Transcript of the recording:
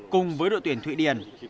cùng với đội tuyển thụy điển